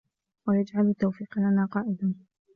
وَيَجْعَلَ التَّوْفِيقَ لَنَا قَائِدًا